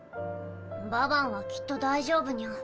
ババンはきっと大丈夫ニャ。